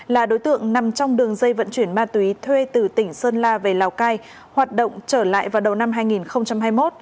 là đối tượng nằm trong đường dây vận chuyển ma túy thuê từ tỉnh sơn la về lào cai hoạt động trở lại vào đầu năm hai nghìn hai mươi một